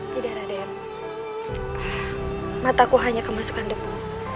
tidak raden mataku hanya kemasukan debu